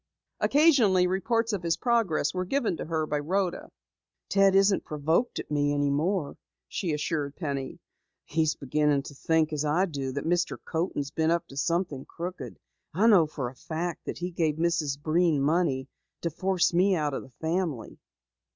Occasionally, reports of his progress were given to her by Rhoda. "Ted isn't provoked at me any more," she assured Penny. "He's beginning to think as I do that Mr. Coaten has been up to something crooked. I know for a fact that he gave Mrs. Breen money to force me out of the family."